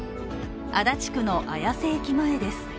足立区の綾瀬駅前です。